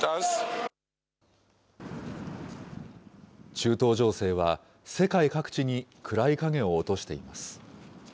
中東情勢は、世界各地に暗い影を落としています。